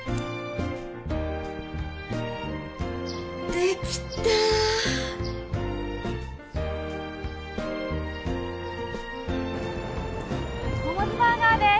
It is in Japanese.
できたモモズバーガーです